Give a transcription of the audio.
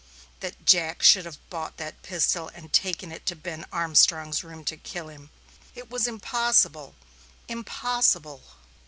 That Jack should have bought that pistol and taken it to Ben Armstrong's rooms to kill him it was impossible impossible!"